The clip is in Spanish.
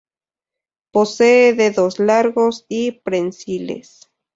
Posee dedos largos y prensiles.